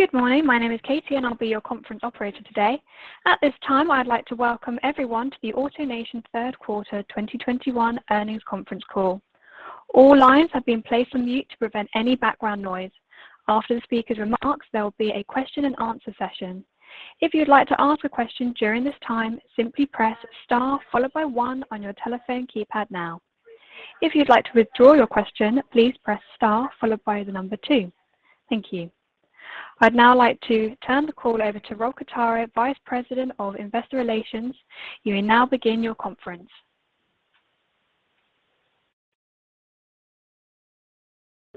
Good morning. My name is Katie and I'll be your conference operator today. At this time, I'd like to welcome everyone to the AutoNation Third Quarter 2021 Earnings Conference Call. All lines have been placed on mute to prevent any background noise. After the speaker's remarks, there will be a question-and-answer session. If you'd like to ask a question during this time, simply press star followed by one on your telephone keypad now. If you'd like to withdraw your question, please press star followed by the number two. Thank you. I'd now like to turn the call over to Robert Quartaro, Vice President of Investor Relations. You may now begin your conference.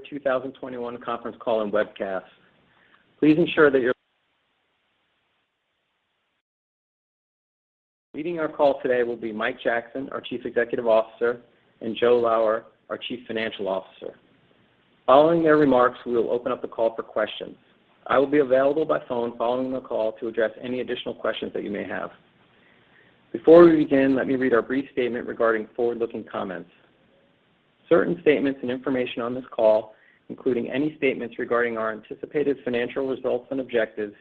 2021 conference call and webcast. Leading our call today will be Mike Jackson, our Chief Executive Officer, and Joe Lower, our Chief Financial Officer. Following their remarks, we will open up the call for questions. I will be available by phone following the call to address any additional questions that you may have. Before we begin, let me read our brief statement regarding forward-looking comments. Certain statements and information on this call, including any statements regarding our anticipated financial results and objectives,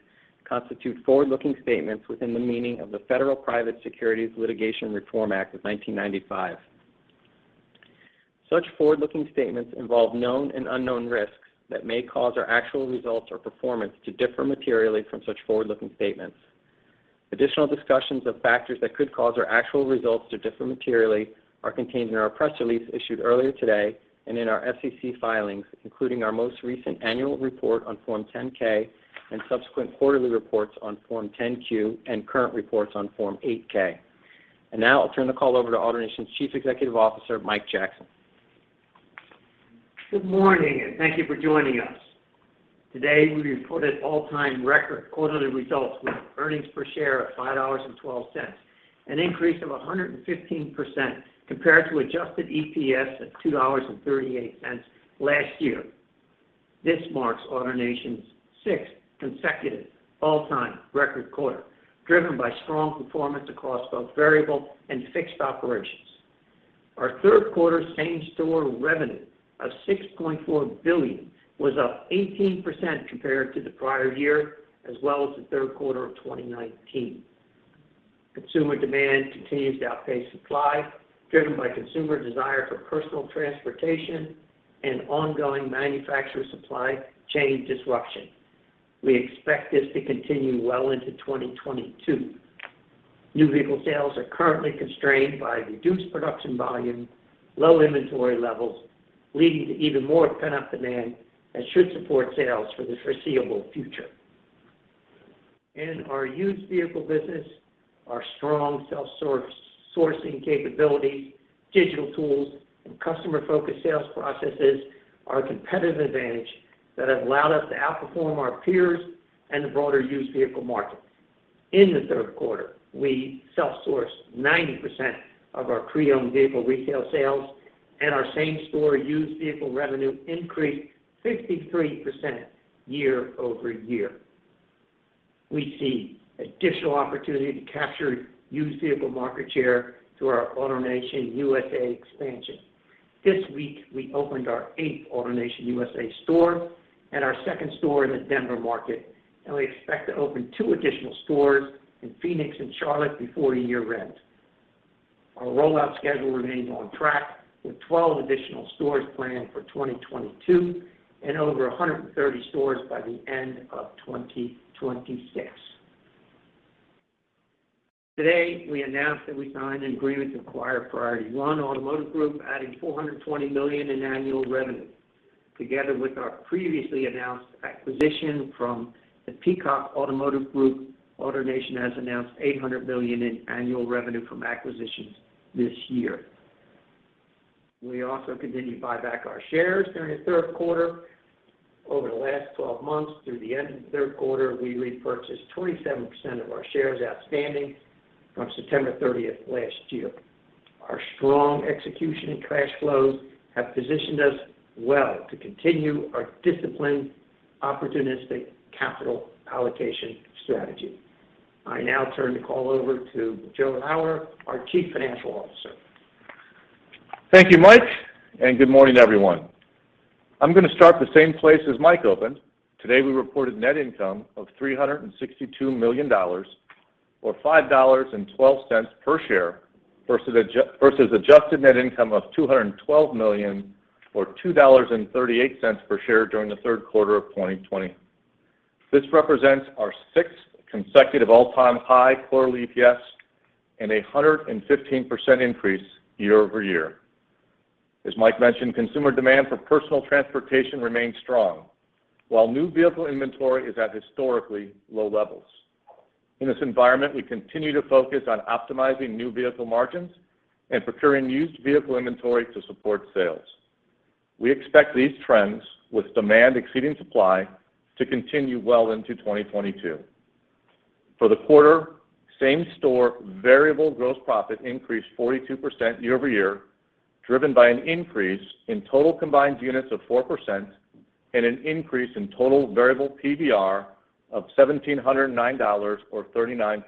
constitute forward-looking statements within the meaning of the Federal Private Securities Litigation Reform Act of 1995. Such forward-looking statements involve known and unknown risks that may cause our actual results or performance to differ materially from such forward-looking statements. Additional discussions of factors that could cause our actual results to differ materially are contained in our press release issued earlier today and in our SEC filings, including our most recent annual report on Form 10-K and subsequent quarterly reports on Form 10-Q and current reports on Form 8-K. Now, I'll turn the call over to AutoNation's Chief Executive Officer, Mike Jackson. Good morning, and thank you for joining us. Today, we reported all-time record quarterly results with earnings per share of $5.12, an increase of 115% compared to adjusted EPS at $2.38 last year. This marks AutoNation's sixth consecutive all-time record quarter, driven by strong performance across both variable and fixed operations. Our third quarter same-store revenue of $6.4 billion was up 18% compared to the prior year, as well as the third quarter of 2019. Consumer demand continues to outpace supply, driven by consumer desire for personal transportation and ongoing manufacturer supply chain disruption. We expect this to continue well into 2022. New vehicle sales are currently constrained by reduced production volume, low inventory levels, leading to even more pent-up demand that should support sales for the foreseeable future. In our used vehicle business, our strong self-sourcing capabilities, digital tools, and customer-focused sales processes are a competitive advantage that have allowed us to outperform our peers and the broader used vehicle market. In the third quarter, we self-sourced 90% of our pre-owned vehicle retail sales, and our same-store used vehicle revenue increased 53% year-over-year. We see additional opportunity to capture used vehicle market share through our AutoNation USA expansion. This week, we opened our eighth AutoNation USA store and our second store in the Denver market, and we expect to open two additional stores in Phoenix and Charlotte before year-end. Our rollout schedule remains on track with 12 additional stores planned for 2022 and over 130 stores by the end of 2026. Today, we announced that we signed an agreement to acquire Priority 1 Automotive Group, adding $420 million in annual revenue. Together with our previously announced acquisition from the Peacock Automotive Group, AutoNation has announced $800 million in annual revenue from acquisitions this year. We also continued to buy back our shares during the third quarter. Over the last 12 months through the end of the third quarter, we repurchased 27% of our shares outstanding from September 30th last year. Our strong execution and cash flows have positioned us well to continue our disciplined, opportunistic capital allocation strategy. I now turn the call over to Joe Lower, our Chief Financial Officer. Thank you, Mike. Good morning, everyone. I'm going to start the same place as Mike opened. Today, we reported net income of $362 million, or $5.12 per share versus adjusted net income of $212 million or $2.38 per share during the third quarter of 2020. This represents our sixth consecutive all-time high quarterly EPS and 115% increase year-over-year. As Mike mentioned, consumer demand for personal transportation remains strong while new vehicle inventory is at historically low levels. In this environment, we continue to focus on optimizing new vehicle margins and procuring used vehicle inventory to support sales. We expect these trends with demand exceeding supply to continue well into 2022. For the quarter, same-store variable gross profit increased 42% year-over-year, driven by an increase in total combined units of 4% and an increase in total variable PVR of $1,709, or 39%.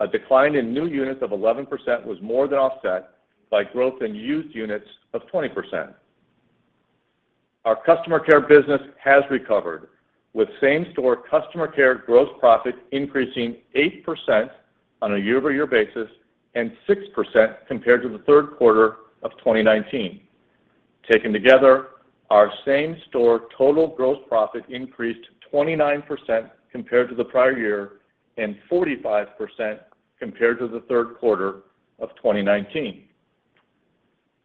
A decline in new units of 11% was more than offset by growth in used units of 20%. Our customer care business has recovered, with same-store customer care gross profit increasing 8% on a year-over-year basis and 6% compared to the third quarter of 2019. Taken together, our same-store total gross profit increased 29% compared to the prior year and 45% compared to the third quarter of 2019.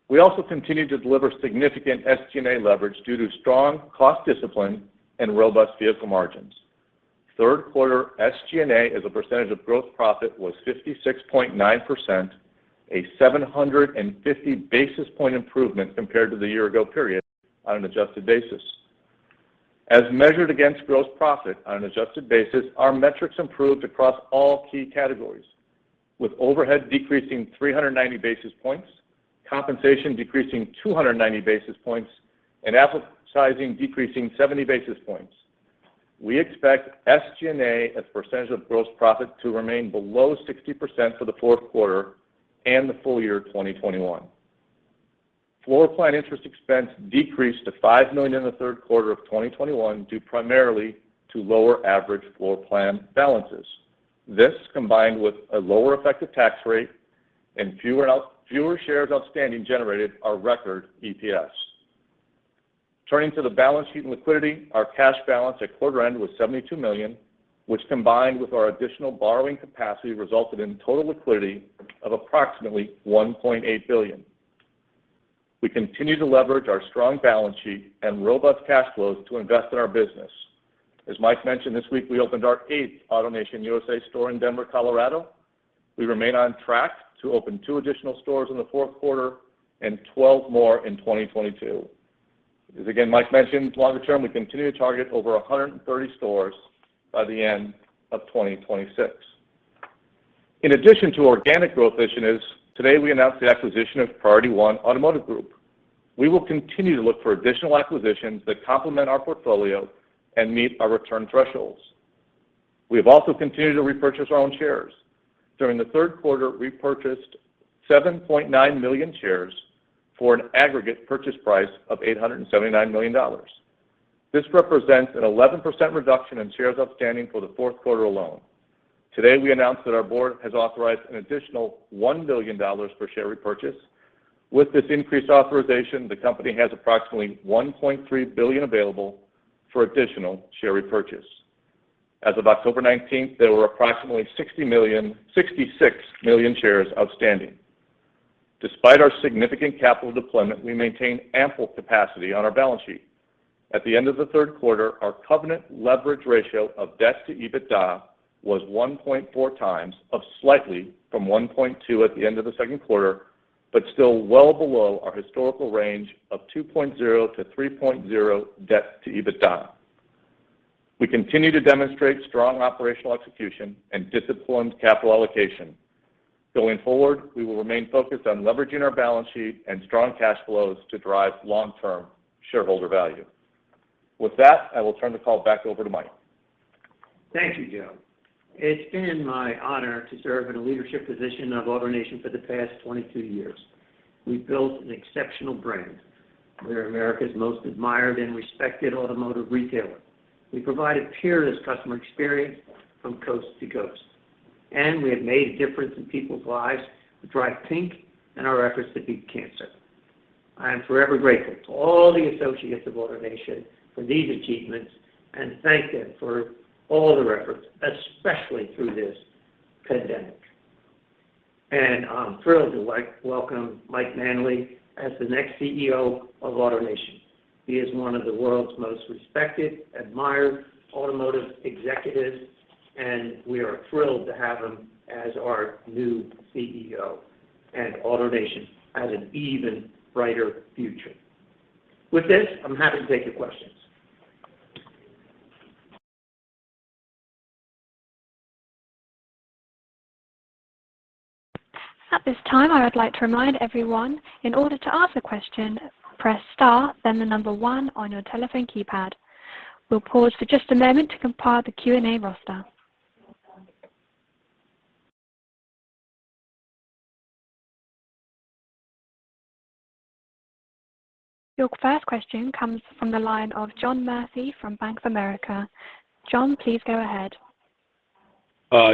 We also continue to deliver significant SG&A leverage due to strong cost discipline and robust vehicle margins. Third-quarter SG&A as a percentage of gross profit was 56.9%, a 750-basis point improvement compared to the year-ago period on an adjusted basis. As measured against gross profit on an adjusted basis, our metrics improved across all key categories, with overhead decreasing 390 basis points, compensation decreasing 290 basis points, and advertising decreasing 70 basis points. We expect SG&A as a percentage of gross profit to remain below 60% for the fourth quarter and the full-year 2021. Floorplan interest expense decreased to $5 million in the third quarter of 2021, due primarily to lower average floorplan balances. This, combined with a lower effective tax rate and fewer shares outstanding, generated our record EPS. Turning to the balance sheet and liquidity, our cash balance at quarter end was $72 million, which combined with our additional borrowing capacity resulted in total liquidity of approximately $1.8 billion. We continue to leverage our strong balance sheet and robust cash flows to invest in our business. As Mike mentioned this week, we opened our eighth AutoNation USA store in Denver, Colorado. We remain on track to open two additional stores in the fourth quarter and 12 more in 2022. As again, Mike mentioned, longer term, we continue to target over 130 stores by the end of 2026. In addition to organic growth initiatives, today we announced the acquisition of Priority 1 Automotive Group. We will continue to look for additional acquisitions that complement our portfolio and meet our return thresholds. We have also continued to repurchase our own shares. During the third quarter, we purchased 7.9 million shares for an aggregate purchase price of $879 million. This represents an 11% reduction in shares outstanding for the fourth quarter alone. Today, we announced that our board has authorized an additional $1 billion for share repurchase. With this increased authorization, the company has approximately $1.3 billion available for additional share repurchase. As of October 19th, there were approximately 66 million shares outstanding. Despite our significant capital deployment, we maintain ample capacity on our balance sheet. At the end of the third quarter, our covenant leverage ratio of debt to EBITDA was 1.4x, up slightly from 1.2x at the end of the second quarter, but still well below our historical range of 2.0-3.0 debt to EBITDA. We continue to demonstrate strong operational execution and disciplined capital allocation. Going forward, we will remain focused on leveraging our balance sheet and strong cash flows to drive long-term shareholder value. With that, I will turn the call back over to Mike. Thank you, Joe. It's been my honor to serve in a leadership position of AutoNation for the past 22 years. We've built an exceptional brand. We're America's most admired and respected automotive retailer. We provide a peerless customer experience from coast to coast, and we have made a difference in people's lives with Drive Pink and our efforts to beat cancer. I am forever grateful to all the associates of AutoNation for these achievements and thank them for all their efforts, especially through this pandemic. I'm thrilled to welcome Mike Manley as the next CEO of AutoNation. He is one of the world's most respected, admired automotive executives, and we are thrilled to have him as our new CEO, and AutoNation has an even brighter future. With this, I'm happy to take your questions. At this time, I would like to remind everyone, in order to ask a question, press star, then the number one on your telephone keypad. We'll pause for just a moment to compile the Q&A roster. Your first question comes from the line of John Murphy from Bank of America. John, please go ahead.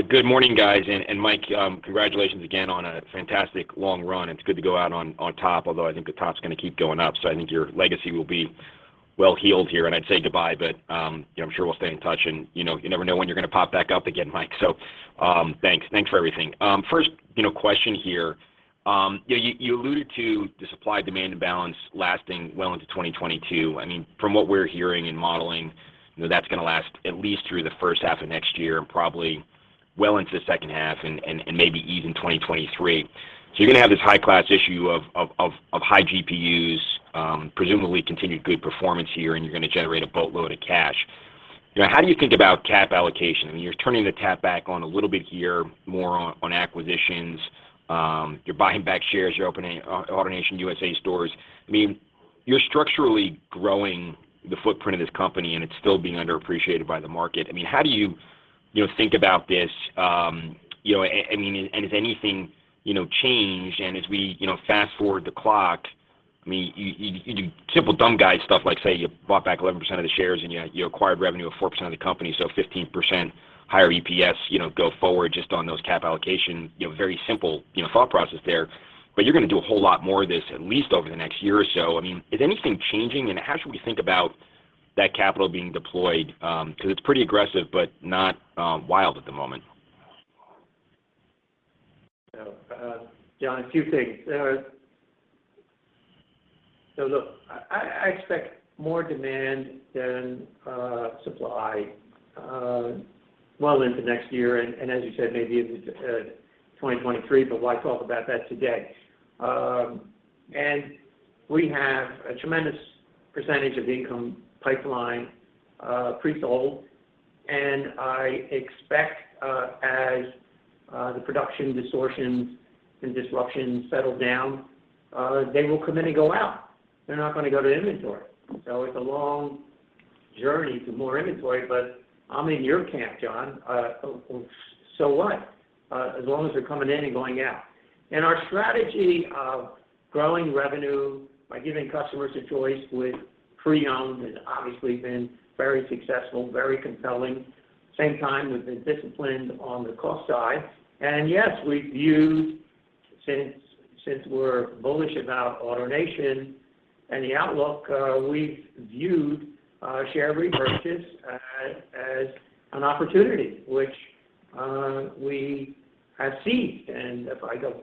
Good morning, guys. Mike, congratulations again on a fantastic long run. It's good to go out on top, although I think the top's going to keep going up, so I think your legacy will be well-held here. I'd say goodbye, but I'm sure we'll stay in touch, and you never know when you're going to pop back up again, Mike, thanks for everything. First question here. You alluded to the supply-demand imbalance lasting well into 2022. From what we're hearing and modeling, that's going to last at least through the first half of next year and probably well into the second half and maybe even 2023. You're going to have this high-class issue of high GPUs, presumably continued good performance here, and you're going to generate a boatload of cash. How do you think about cap allocation? You're turning the tap back on a little bit here, more on acquisitions. You're buying back shares. You're opening AutoNation USA stores. You're structurally growing the footprint of this company, and it's still being underappreciated by the market. How do you think about this? Has anything changed? As we fast-forward the clock, simple dumb guy stuff like, say, you bought back 11% of the shares and yet you acquired revenue of 4% of the company, so 15% higher EPS, go forward just on those cap allocation. Very simple thought process there. You're going to do a whole lot more of this at least over the next year or so. Is anything changing, and how should we think about that capital being deployed? It's pretty aggressive, but not wild at the moment. John, two things. Look, I expect more demand than supply well into next year. As you said, maybe into 2023, but why talk about that today? We have a tremendous percentage of the income pipeline pre-sold. I expect as the production distortions and disruptions settle down, they will come in and go out. They're not going to go to inventory. It's a long journey to more inventory, but I'm in your camp, John. What? As long as they're coming in and going out. Our strategy of growing revenue by giving customers a choice with pre-owned has obviously been very successful, very compelling. Same time, we've been disciplined on the cost side. Yes, since we're bullish about AutoNation and the outlook, we've viewed share repurchases as an opportunity, which we have seized. If I go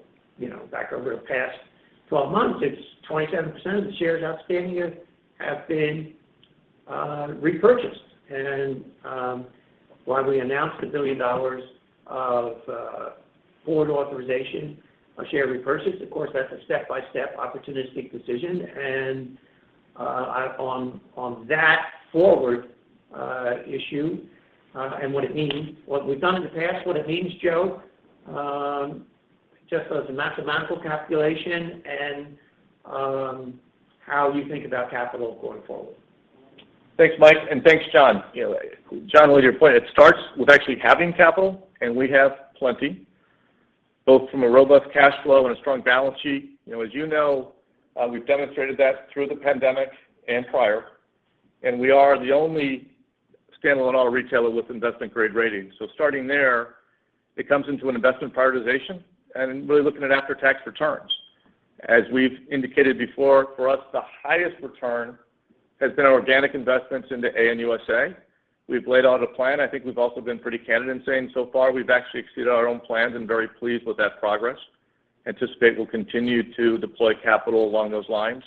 back over the past 12 months, it's 27% of the shares outstanding here have been repurchased. While we announced $1 billion of Board authorization of share repurchase, of course, that's a step-by-step opportunistic decision. On that forward issue and what it means, what we've done in the past, what it means, Joe Lower, just as a mathematical calculation and how you think about capital going forward? Thanks, Mike, and thanks, John. John, to your point, it starts with actually having capital. We have plenty, both from a robust cash flow and a strong balance sheet. As you know, we've demonstrated that through the pandemic and prior. We are the only standalone auto retailer with investment-grade ratings. Starting there, it comes into an investment prioritization and really looking at after-tax returns. As we've indicated before, for us, the highest return has been our organic investments into AN USA. We've laid out a plan. I think we've also been pretty candid in saying so far we've actually exceeded our own plans. Very pleased with that progress. Anticipate we'll continue to deploy capital along those lines.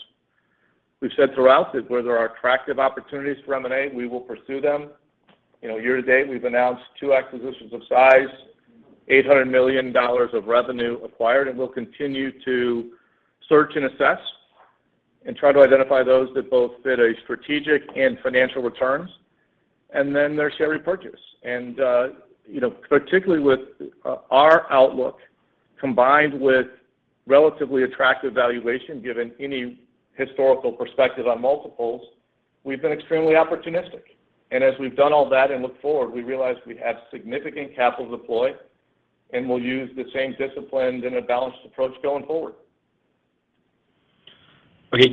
We've said throughout that where there are attractive opportunities for M&A, we will pursue them. Year-to-date, we've announced two acquisitions of size, $800 million of revenue acquired, and we'll continue to search and assess and try to identify those that both fit a strategic and financial returns. There's share repurchase. Particularly with our outlook combined with relatively attractive valuation, given any historical perspective on multiples, we've been extremely opportunistic. As we've done all that and look forward, we realize we have significant capital deployed, and we'll use the same discipline and a balanced approach going forward.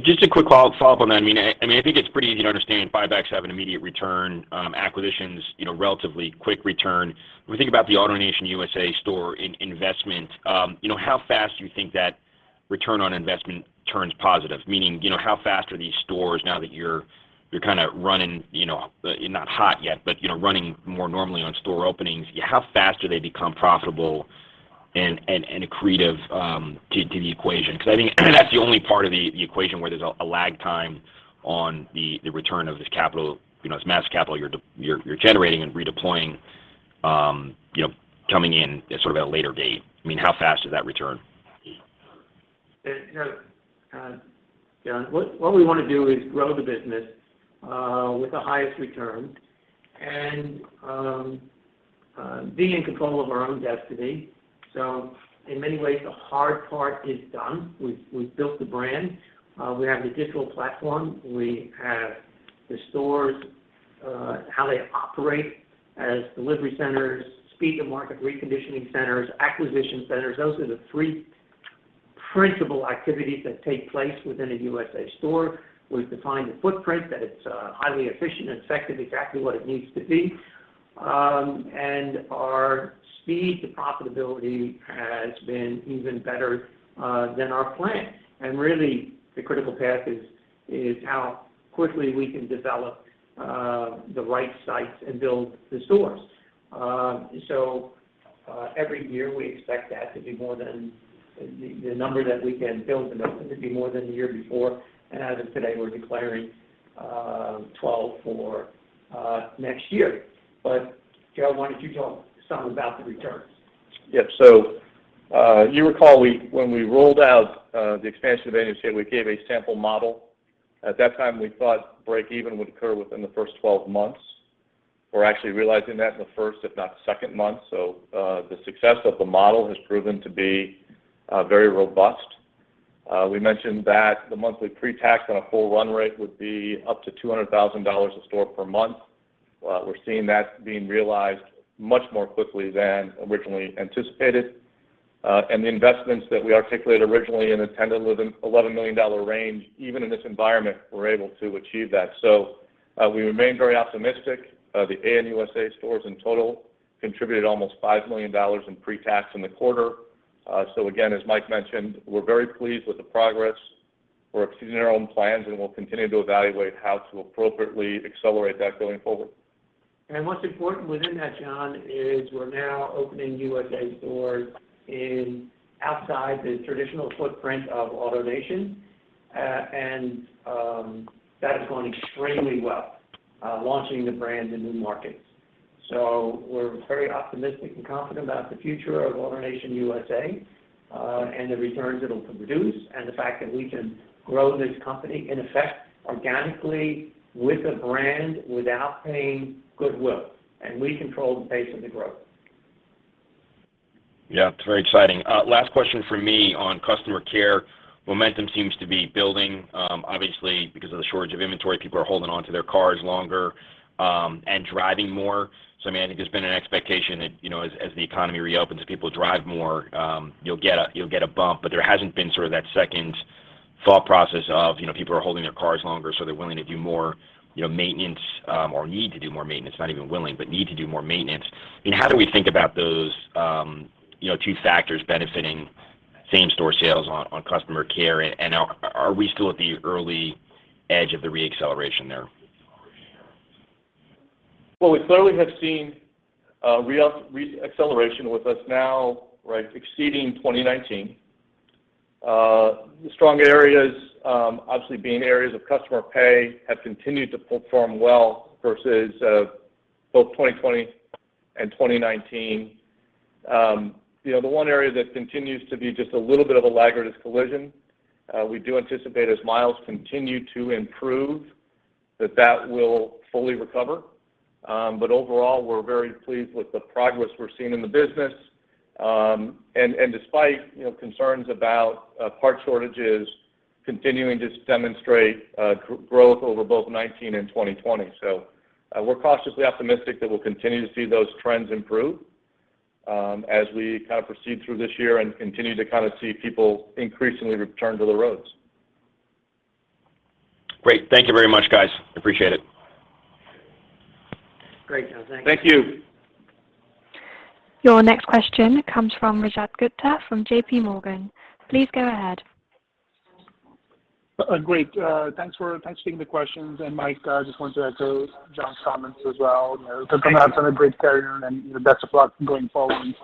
Just a quick follow-up on that. I think it's pretty easy to understand buybacks have an immediate return. Acquisitions, relatively quick return. When we think about the AutoNation USA store investment, how fast do you think that return on investment turns positive? Meaning, how fast are these stores now that you're kind of running, you're not hot yet, but running more normally on store openings. How fast do they become profitable and accretive to the equation? I think that's the only part of the equation where there's a lag time on the return of this capital, this massive capital you're generating and redeploying coming in at sort of a later date. How fast is that return? John, what we want to do is grow the business with the highest return and be in control of our own destiny. In many ways, the hard part is done. We've built the brand. We have the digital platform. We have the stores, how they operate as delivery centers, speed-to-market reconditioning centers, acquisition centers. Those are the three principal activities that take place within a USA store. We've defined the footprint, that it's highly efficient and effective, exactly what it needs to be. Our speed to profitability has been even better than our plan. Really, the critical path is how quickly we can develop the right sites and build the stores. Every year, we expect that to be more than the number that we can build to be more than the year before. As of today, we're declaring 12 for next year. Joe Lower, why don't you talk some about the returns? Yep. You recall when we rolled out the expansion of AutoNation USA, we gave a sample model. At that time, we thought break even would occur within the first 12 months. We're actually realizing that in the first, if not the second month. The success of the model has proven to be very robust. We mentioned that the monthly pre-tax on a full run rate would be up to $200,000 a store per month. We're seeing that being realized much more quickly than originally anticipated. The investments that we articulated originally in the $11 million range, even in this environment, we're able to achieve that. We remain very optimistic. The AutoNation USA stores in total contributed almost $5 million in pre-tax in the quarter. Again, as Mike mentioned, we're very pleased with the progress. We're exceeding our own plans, and we'll continue to evaluate how to appropriately accelerate that going forward. What's important within that, John, is we're now opening USA stores outside the traditional footprint of AutoNation. That is going extremely well, launching the brand in new markets. We're very optimistic and confident about the future of AutoNation USA, and the returns it'll produce, and the fact that we can grow this company, in effect, organically with a brand without paying goodwill. We control the pace of the growth. Yeah, it's very exciting. Last question from me on customer care. Momentum seems to be building. Obviously, because of the shortage of inventory, people are holding onto their cars longer, and driving more. I think there's been an expectation that as the economy reopens, as people drive more, you'll get a bump. There hasn't been sort of that second thought process of people are holding their cars longer, so they're willing to do more maintenance, or need to do more maintenance, not even willing, but need to do more maintenance. How do we think about those two factors benefiting same-store sales on customer care, and are we still at the early edge of the re-acceleration there? We clearly have seen re-acceleration with us now exceeding 2019. The strong areas, obviously being areas of customer pay, have continued to perform well versus both 2020 and 2019. The one area that continues to be just a little bit of a laggard is collision. We do anticipate as miles continue to improve, that that will fully recover. Overall, we're very pleased with the progress we're seeing in the business. Despite concerns about parts shortages continuing to demonstrate growth over both 2019 and 2020. We're cautiously optimistic that we'll continue to see those trends improve as we kind of proceed through this year and continue to kind of see people increasingly return to the roads. Great. Thank you very much, guys. Appreciate it. Great, John. Thanks. Thank you. Your next question comes from Rajat Gupta from JPMorgan. Please go ahead. Great. Thanks for taking the questions. Mike, I just wanted to echo John's comments as well. Congrats on a great career, and best of luck going forward.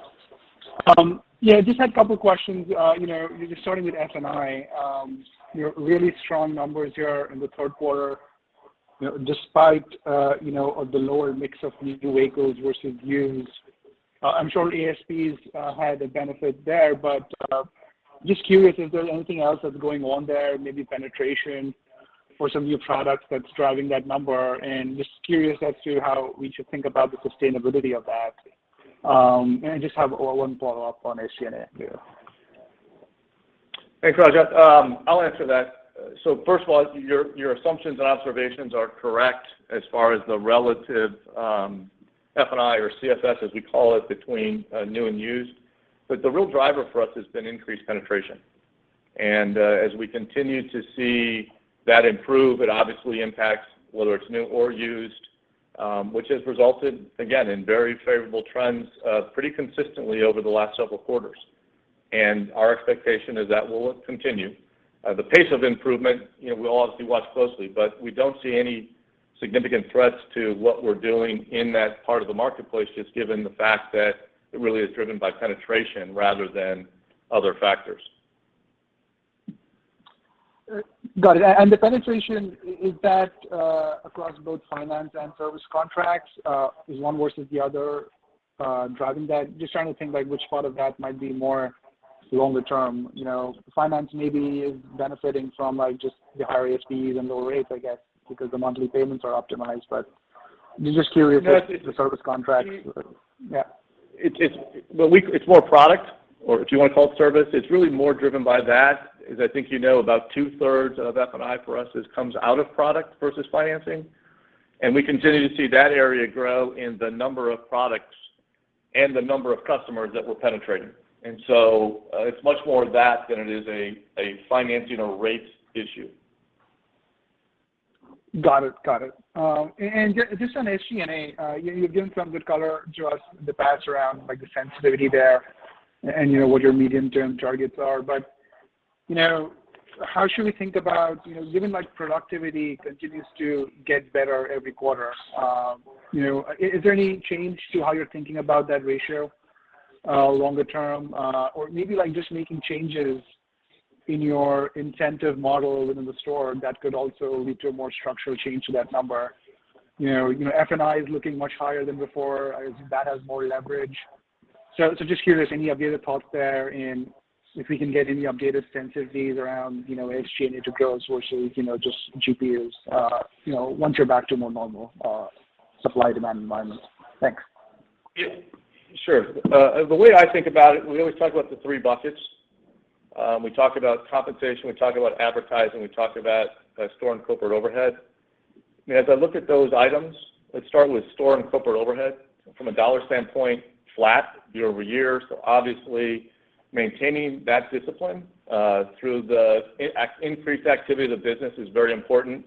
Just had a couple of questions. Just starting with F&I. Really strong numbers here in the third quarter despite the lower mix of new vehicles versus used. I'm sure ASPs had a benefit there, but just curious if there's anything else that's going on there, maybe penetration for some new products that's driving that number, and just curious as to how we should think about the sustainability of that. I just have one follow-up on SG&A too. Thanks, Rajat. I'll answer that. First of all, your assumptions and observations are correct as far as the relative F&I or CFS, as we call it, between new and used. The real driver for us has been increased penetration. As we continue to see that improve, it obviously impacts whether it's new or used, which has resulted, again, in very favorable trends pretty consistently over the last several quarters. Our expectation is that will continue. The pace of improvement we'll obviously watch closely, but we don't see any significant threats to what we're doing in that part of the marketplace, just given the fact that it really is driven by penetration rather than other factors. Got it. The penetration, is that across both finance and service contracts? Is one versus the other driving that? Just trying to think which part of that might be more longer term. Finance maybe is benefiting from just the higher ASPs and lower rates, I guess, because the monthly payments are optimized. Just curious if the service contracts. It's more product, or if you want to call it service, it's really more driven by that. As I think you know, about two-thirds of F&I for us comes out of product versus financing, and we continue to see that area grow in the number of products and the number of customers that we're penetrating. It's much more that than it is a financing or rates issue. Got it. Just on SG&A, you've given some good color to us in the past around the sensitivity there and what your medium-term targets are. How should we think about, given productivity continues to get better every quarter, is there any change to how you're thinking about that ratio longer term? Maybe just making changes in your incentive model within the store that could also lead to a more structural change to that number? F&I is looking much higher than before as that has more leverage. Just curious, any updated thoughts there in if we can get any updated sensitivities around SG&A to gross versus just GPUs, once you're back to a more normal supply-demand environment. Thanks. Sure. The way I think about it, we always talk about the three buckets. We talk about compensation, we talk about advertising, we talk about store and corporate overhead. As I look at those items, let's start with store and corporate overhead. From a dollar standpoint, flat year-over-year. Obviously maintaining that discipline through the increased activity of the business is very important.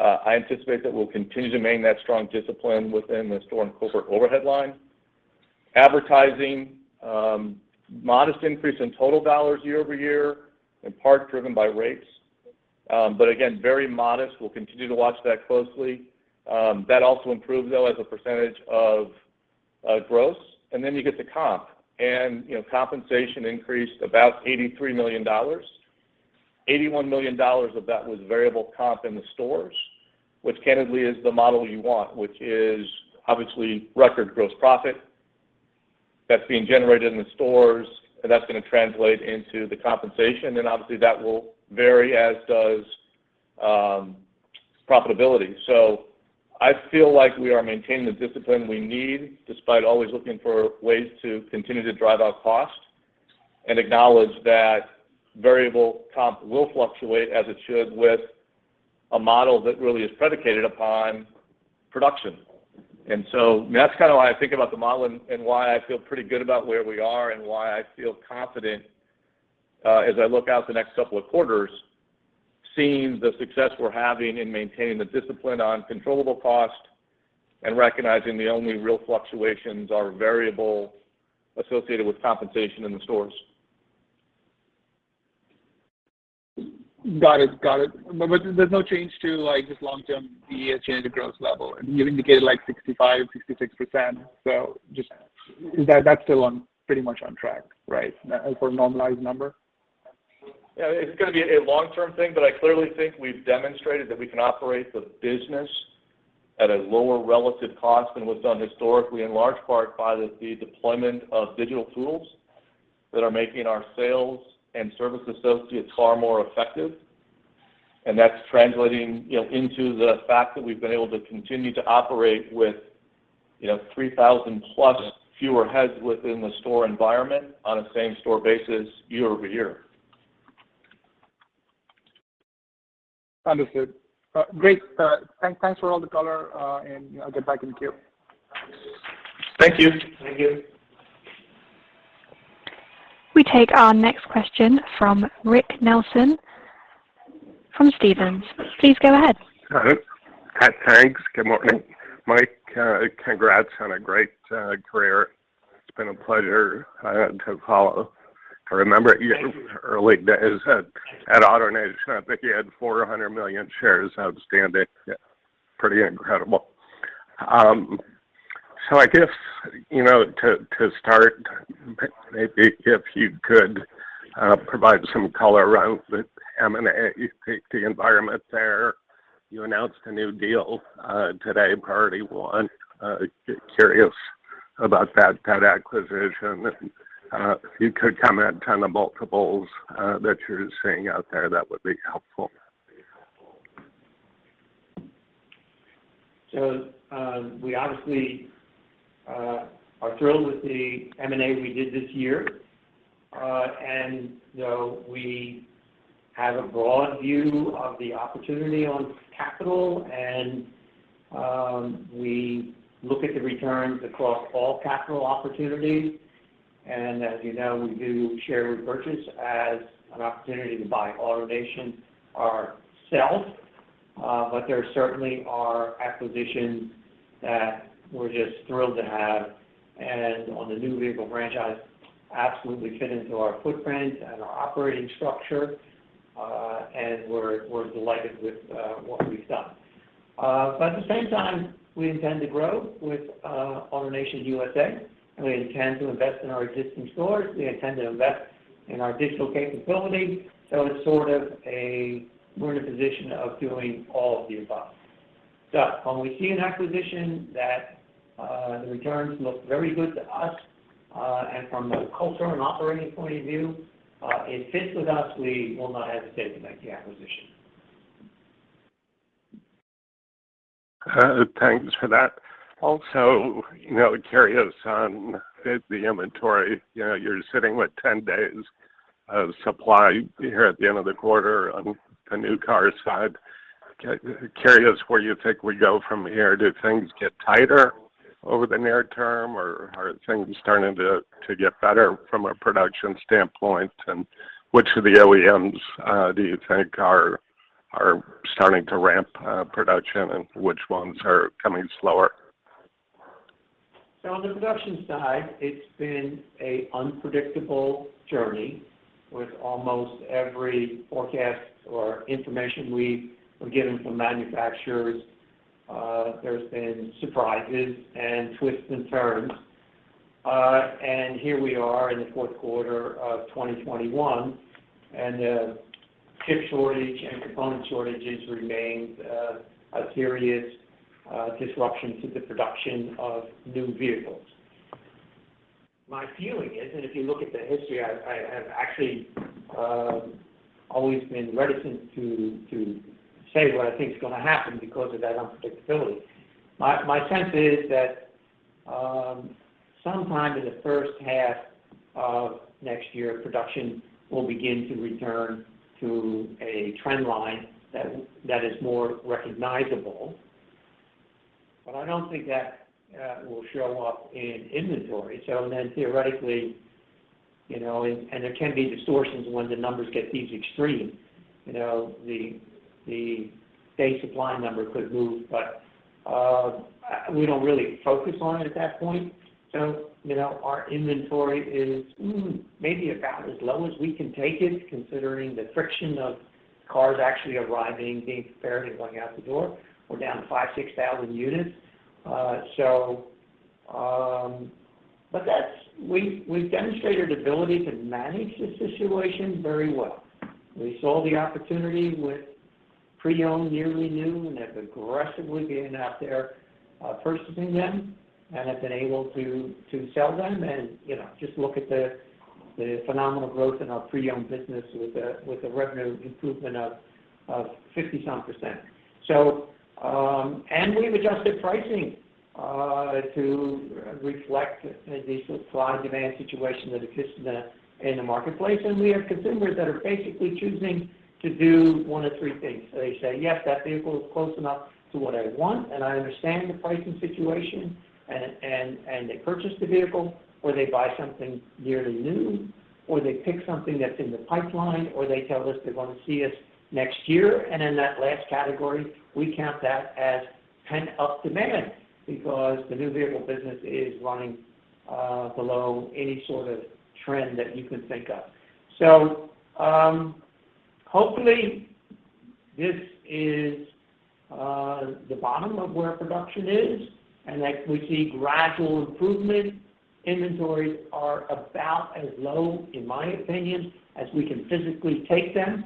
I anticipate that we'll continue to maintain that strong discipline within the store and corporate overhead line. Advertising, modest increase in total dollars year-over-year, in part driven by rates. Again, very modest. We'll continue to watch that closely. That also improved, though, as a percentage of gross. Then you get to comp, and compensation increased about $83 million. $81 million of that was variable comp in the stores, which candidly is the model you want, which is obviously record gross profit that's being generated in the stores, and that's going to translate into the compensation, and obviously that will vary as does profitability. I feel like we are maintaining the discipline we need, despite always looking for ways to continue to drive out cost, and acknowledge that variable comp will fluctuate as it should with a model that really is predicated upon production. That's kind of how I think about the model and why I feel pretty good about where we are and why I feel confident as I look out the next couple of quarters, seeing the success we're having in maintaining the discipline on controllable cost and recognizing the only real fluctuations are variable associated with compensation in the stores. Got it. There's no change to just long-term SG&A to gross level. You indicated like 65%, 66%. Just is that still pretty much on track, right? For a normalized number? Yeah, it's going to be a long-term thing, but I clearly think we've demonstrated that we can operate the business at a lower relative cost than was done historically, in large part by the deployment of digital tools that are making our sales and service associates far more effective. That's translating into the fact that we've been able to continue to operate with 3,000+ fewer heads within the store environment on a same store basis year-over-year. Understood. Great. Thanks for all the color. I'll get back in queue. Thank you. We take our next question from Rick Nelson from Stephens. Please go ahead. Thanks. Good morning, Mike. Congrats on a great career. It's been a pleasure to follow. Thank you. your early days at AutoNation. I think you had 400 million shares outstanding. Pretty incredible. I guess, to start, maybe if you could provide some color around the M&A, the environment there. You announced a new deal today, Priority 1. Curious about that acquisition. If you could comment on the multiples that you're seeing out there, that would be helpful. We obviously are thrilled with the M&A we did this year. We have a broad view of the opportunity on capital and we look at the returns across all capital opportunities. As you know, we do share repurchase as an opportunity to buy AutoNation ourselves. There certainly are acquisitions that we're just thrilled to have, and on the new vehicle franchise, absolutely fit into our footprint and our operating structure. We're delighted with what we've done. At the same time, we intend to grow with AutoNation USA, and we intend to invest in our existing stores. We intend to invest in our digital capabilities. We're in a position of doing all of the above. When we see an acquisition that the returns look very good to us, and from a cultural and operating point of view it fits with us, we will not hesitate to make the acquisition. Thanks for that. Curious on the inventory. You're sitting with 10 days of supply here at the end of the quarter on the new car side. Curious where you think we go from here. Do things get tighter over the near term, or are things starting to get better from a production standpoint? Which of the OEMs do you think are starting to ramp production and which ones are coming slower? On the production side, it's been a unpredictable journey with almost every forecast or information we've given from manufacturers. There's been surprises and twists and turns. Here we are in the fourth quarter of 2021. Chip shortage and component shortages remain a serious disruption to the production of new vehicles. My feeling is, and if you look at the history, I have actually always been reticent to say what I think is going to happen because of that unpredictability. My sense is that sometime in the first half of next year, production will begin to return to a trend line that is more recognizable. I don't think that will show up in inventory. Theoretically, and there can be distortions when the numbers get these extreme, the day supply number could move, but we don't really focus on it at that point. Our inventory is maybe about as low as we can take it, considering the friction of cars actually arriving, being prepared, and going out the door. We're down 5,000, 6,000 units. We've demonstrated ability to manage the situation very well. We saw the opportunity with pre-owned, nearly new, and have aggressively been out there purchasing them and have been able to sell them and just look at the phenomenal growth in our pre-owned business with a revenue improvement of 50-some%. We've adjusted pricing to reflect the supply and demand situation that exists in the marketplace, and we have consumers that are basically choosing to do one of three things. They say, yes, that vehicle is close enough to what I want, and I understand the pricing situation. They purchase the vehicle, or they buy something nearly new, or they pick something that's in the pipeline, or they tell us they're going to see us next year. In that last category, we count that as pent-up demand because the new vehicle business is running below any sort of trend that you can think of. Hopefully, this is the bottom of where production is, and that we see gradual improvement. Inventories are about as low, in my opinion, as we can physically take them.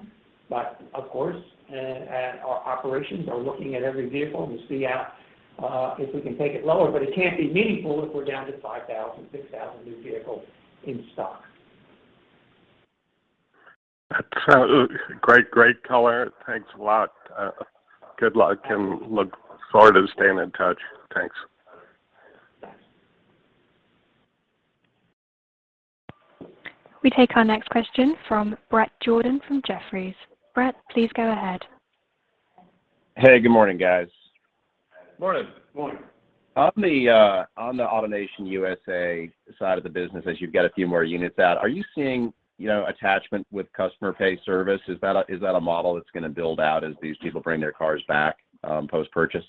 Of course, our operations are looking at every vehicle to see if we can take it lower, but it can't be meaningful if we're down to 5,000, 6,000 new vehicles in stock. Great color. Thanks a lot. Good luck and look forward to staying in touch. Thanks. We take our next question from Bret Jordan from Jefferies. Bret, please go ahead. Hey, good morning, guys. Morning. Morning. On the AutoNation USA side of the business, as you've got a few more units out, are you seeing attachment with customer pay service? Is that a model that's gonna build out as these people bring their cars back post-purchase?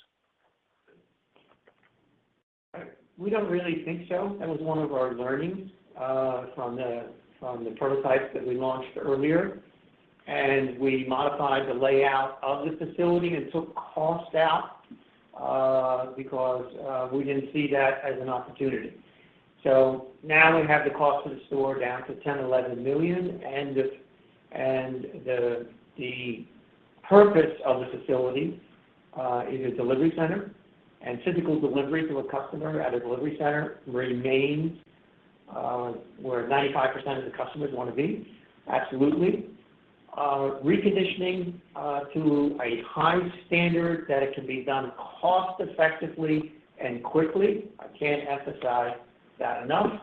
We don't really think so. That was one of our learnings from the prototypes that we launched earlier. We modified the layout of the facility and took cost out because we didn't see that as an opportunity. Now we have the cost of the store down to $10 million, $11 million, and the purpose of the facility is a delivery center. Typical delivery to a customer at a delivery center remains where 95% of the customers want to be, absolutely. Reconditioning to a high standard that it can be done cost-effectively and quickly, I can't emphasize that enough.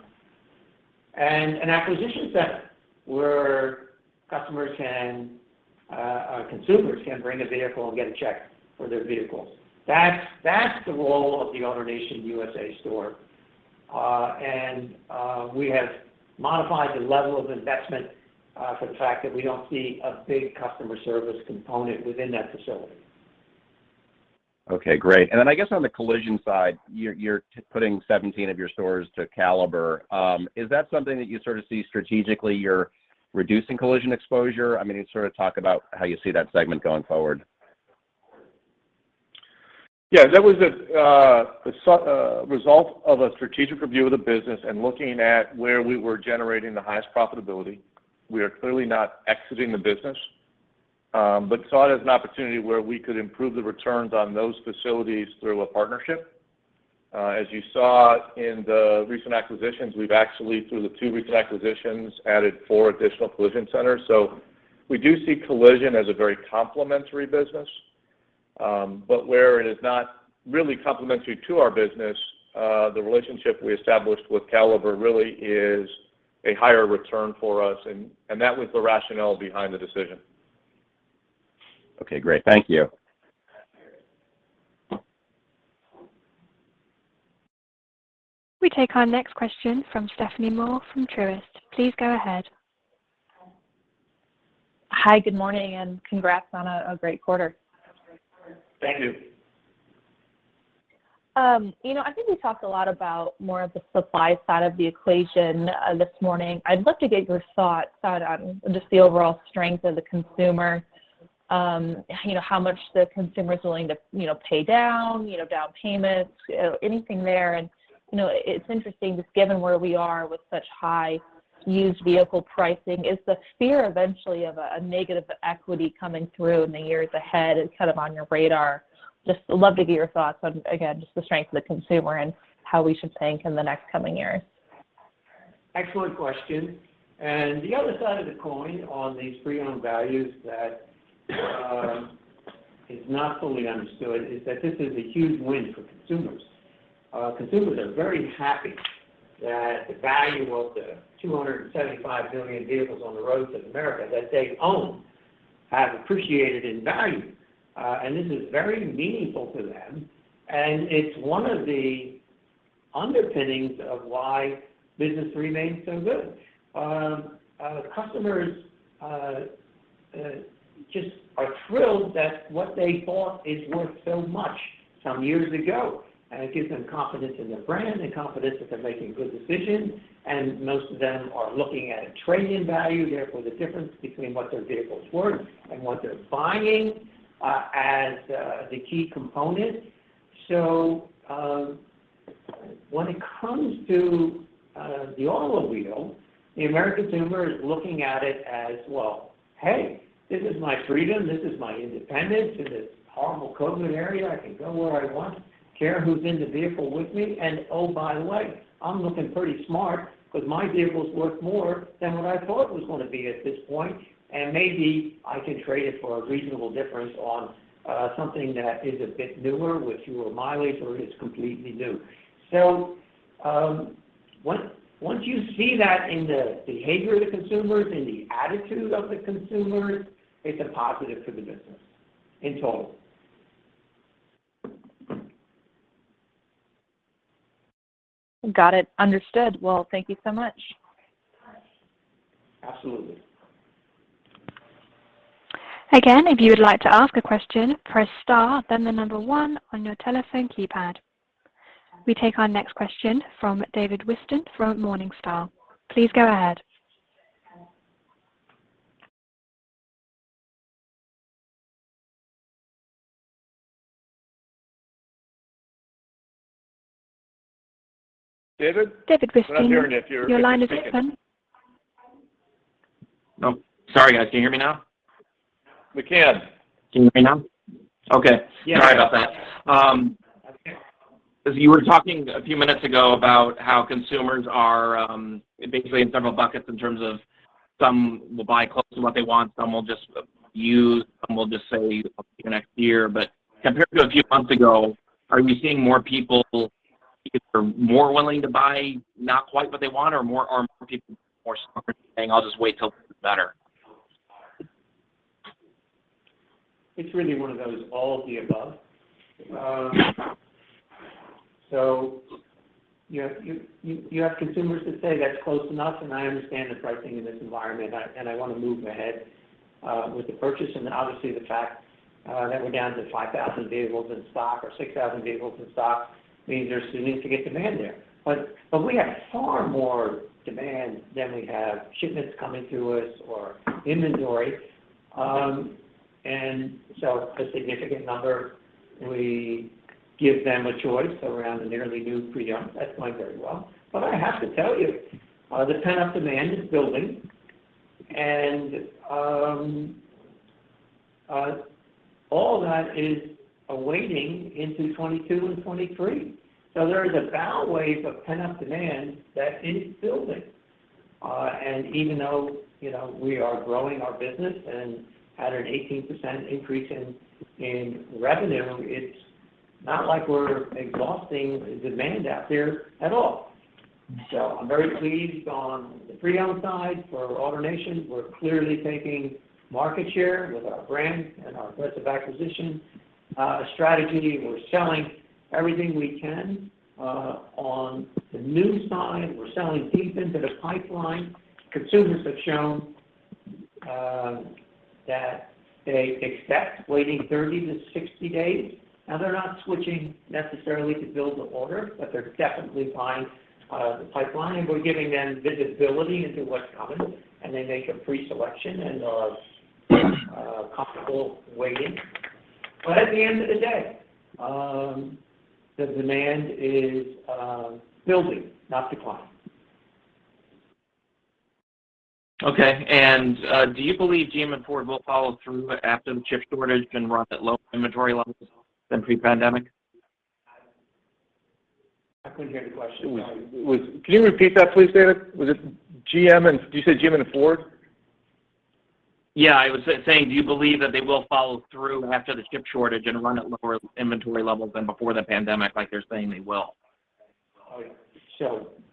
An acquisition center where consumers can bring a vehicle and get a check for their vehicle. That's the role of the AutoNation USA store. We have modified the level of investment for the fact that we don't see a big customer service component within that facility. Okay, great. I guess on the collision side, you're putting 17 of your stores to Caliber. Is that something that you sort of see strategically, you're reducing collision exposure? Can you sort of talk about how you see that segment going forward? Yeah, that was a result of a strategic review of the business and looking at where we were generating the highest profitability. We are clearly not exiting the business but saw it as an opportunity where we could improve the returns on those facilities through a partnership. As you saw in the recent acquisitions, we've actually, through the two recent acquisitions, added four additional collision centers. We do see collision as a very complementary business. Where it is not really complementary to our business, the relationship we established with Caliber really is a higher return for us, and that was the rationale behind the decision. Okay, great. Thank you. We take our next question from Stephanie Moore from Truist. Please go ahead. Hi, good morning, and congrats on a great quarter. Thank you. I think we talked a lot about more of the supply side of the equation this morning. I'd love to get your thoughts on just the overall strength of the consumer. How much the consumer's willing to pay down payments, anything there. It's interesting, just given where we are with such high used vehicle pricing, is the fear eventually of a negative equity coming through in the years ahead on your radar? Just love to get your thoughts on, again, just the strength of the consumer and how we should think in the next coming years. Excellent question. The other side of the coin on these pre-owned values that is not fully understood is that this is a huge win for consumers. Consumers are very happy that the value of the 275 million vehicles on the roads of America that they own have appreciated in value. This is very meaningful to them, and it's one of the underpinnings of why business remains so good. Customers just are thrilled that what they bought is worth so much some years ago. It gives them confidence in their brand and confidence that they're making good decisions. Most of them are looking at a trade-in value, therefore the difference between what their vehicle's worth and what they're buying as the key component. When it comes to the auto wheel, the American consumer is looking at it as, well, hey, this is my freedom. This is my independence in this horrible COVID era. I can go where I want, care who's in the vehicle with me, and oh, by the way, I'm looking pretty smart because my vehicle's worth more than what I thought it was going to be at this point. Maybe I can trade it for a reasonable difference on something that is a bit newer with fewer mileage or is completely new. Once you see that in the behavior of the consumers, in the attitude of the consumers, it's a positive for the business in total. Got it. Understood. Well, thank you so much. Absolutely. Again, if you would like to ask a question, press star, then the number one on your telephone keypad. We take our next question from David Whiston from Morningstar. Please go ahead. David? David Whiston. I'm not hearing you. Your line is open. Sorry, guys. Can you hear me now? We can. Can you hear me now? Okay. Yeah. Sorry about that. As you were talking a few minutes ago about how consumers are basically in several buckets in terms of some will buy close to what they want, some will just use, some will just say, okay, next year. Compared to a few months ago, are we seeing more people who are more willing to buy not quite what they want, or are more people more saying, I'll just wait till it gets better? It's really one of those all of the above. You have consumers that say, that's close enough, and I understand the pricing in this environment, and I want to move ahead with the purchase. Obviously the fact that we're down to 5,000 vehicles in stock or 6,000 vehicles in stock means there's significant demand there. We have far more demand than we have shipments coming to us or inventory. It's a significant number. We give them a choice around the nearly new pre-owned. That's going very well. I have to tell you, the pent-up demand is building, and all that is awaiting into 2022 and 2023. There is a bow wave of pent-up demand that is building. Even though we are growing our business and had an 18% increase in revenue, it's not like we're exhausting the demand out there at all. I'm very pleased on the pre-owned side. For AutoNation, we're clearly taking market share with our brand and our aggressive acquisition strategy. We're selling everything we can on the new side. We're selling deep into the pipeline. Consumers have shown that they expect waiting 30 to 60 days. Now they're not switching necessarily to build the order, but they're definitely buying the pipeline. We're giving them visibility into what's coming, and they make a pre-selection and are comfortable waiting. At the end of the day, the demand is building, not declining. Okay. Do you believe GM and Ford will follow through after the chip shortage and run at low inventory levels than pre-pandemic? I couldn't hear the question, sorry. Can you repeat that please, David? Did you say GM and Ford? Yeah, I was saying, do you believe that they will follow through after the chip shortage and run at lower inventory levels than before the pandemic, like they're saying they will?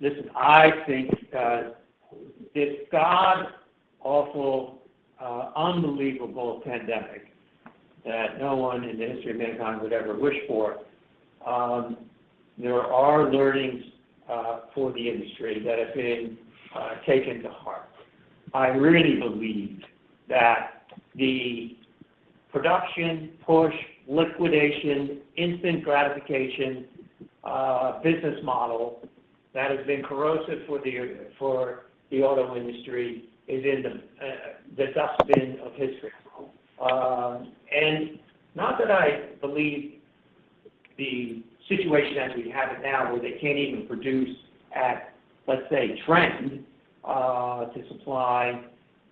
Listen, I think this God-awful, unbelievable pandemic that no one in the history of mankind would ever wish for, there are learnings for the industry that have been taken to heart. I really believed that the production push, liquidation, instant gratification business model that has been corrosive for the auto industry is in the dustbin of history. Not that I believe the situation as we have it now where they can't even produce at, let's say, trend to supply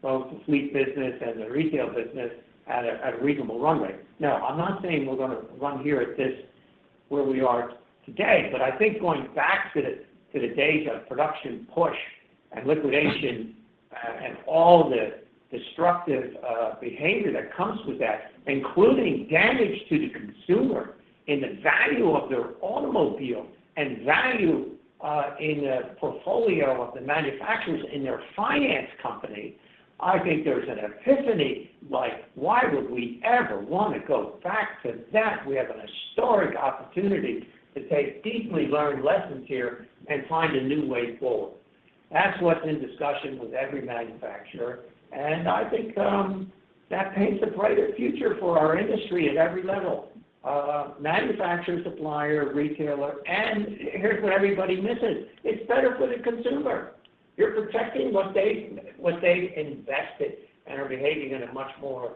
both the fleet business and the retail business at a reasonable runway. No, I'm not saying we're going to run here at where we are today. I think going back to the days of production push and liquidation and all the destructive behavior that comes with that, including damage to the consumer in the value of their automobile and value in the portfolio of the manufacturers in their finance company, I think there's an epiphany like, why would we ever want to go back to that? We have an historic opportunity to take deeply learned lessons here and find a new way forward. That's what's in discussion with every manufacturer, I think that paints a brighter future for our industry at every level. Manufacturer, supplier, retailer, and here's what everybody misses. It's better for the consumer. You're protecting what they invested and are behaving in a much more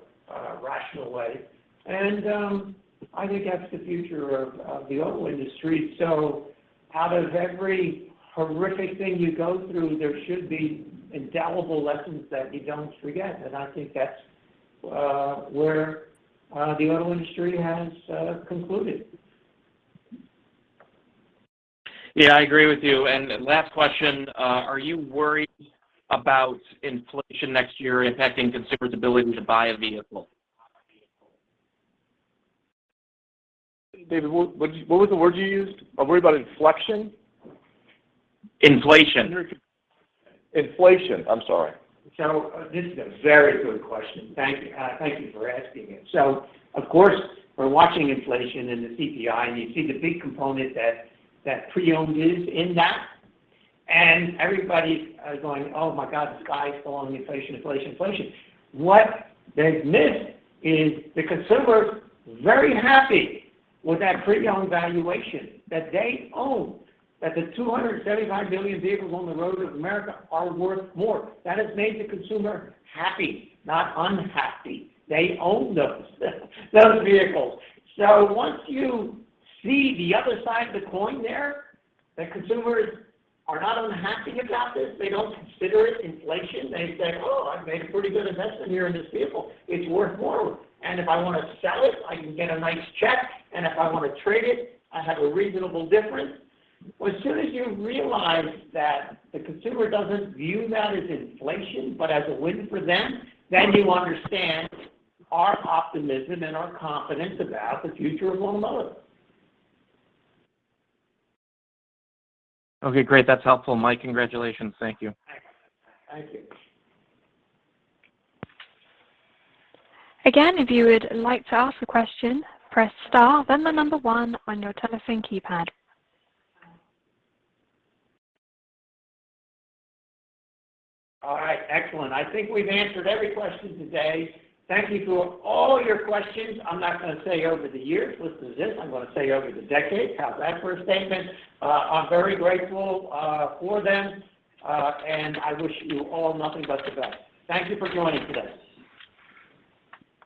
rational way. I think that's the future of the auto industry. Out of every horrific thing you go through, there should be indelible lessons that you don't forget. I think that's where the auto industry has concluded. Yeah, I agree with you. Last question, are you worried about inflation next year impacting consumers' ability to buy a vehicle? David, what was the word you used? I'm worried about inflection? Inflation. Inflation. I'm sorry. This is a very good question. Thank you for asking it. Of course, we're watching inflation and the CPI, and you see the big component that pre-owned is in that. Everybody's going, oh my God, the sky's falling, inflation. What they've missed is the consumer's very happy with that pre-owned valuation that they own, that the 275 million vehicles on the road of America are worth more. That has made the consumer happy, not unhappy. They own those vehicles. Once you see the other side of the coin there, that consumers are not unhappy about this, they don't consider it inflation. They say, oh, I've made a pretty good investment here in this vehicle. It's worth more. If I want to sell it, I can get a nice check, and if I want to trade it, I have a reasonable difference. As soon as you realize that the consumer doesn't view that as inflation, but as a win for them, then you understand our optimism and our confidence about the future of automotive. Okay, great. That's helpful. Mike, congratulations. Thank you. Thank you. Again, if you would like to ask a question, press star, then the number one on your telephone keypad. All right, excellent. I think we've answered every question today. Thank you for all your questions. I'm not going to say over the years. Listen to this. I'm going to say over the decades. How's that for a statement? I'm very grateful for them. I wish you all nothing but the best. Thank you for joining today.